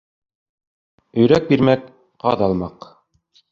Өйрәк бирмәк, ҡаҙ алмаҡ.